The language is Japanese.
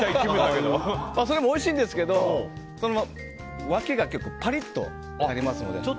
それもおいしいんですけど脇が結構パリッとなりますので。